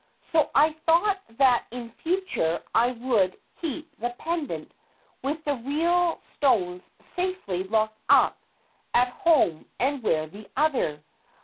So I thought that in future I would keep the pendant with the real stones safely locked up at home and wear the other.